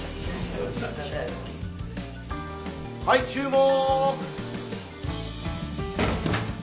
はい注目。